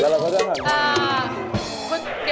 พี่ตูนก็จะอยู่อย่างนี้